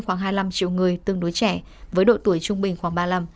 khoảng hai mươi năm triệu người tương đối trẻ với độ tuổi trung bình khoảng ba mươi năm